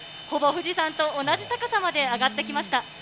ほぼ富士山と同じ高さまで上がってきました。